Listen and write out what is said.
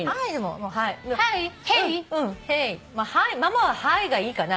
ママは「Ｈｉ」がいいかな。